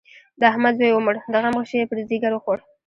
د احمد زوی ومړ؛ د غم غشی يې پر ځيګر وخوړ.